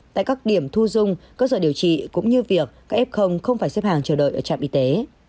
tại các điểm thu dung cơ sở điều trị cũng như việc các f không phải xếp hàng chờ đợi ở trạm y tế